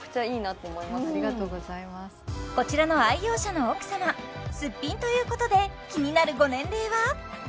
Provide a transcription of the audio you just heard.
こちらの愛用者の奥様すっぴんということで気になるご年齢は？